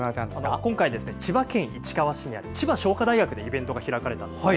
今回、千葉県市川市にある千葉商科大学でイベントが開かれたんですね。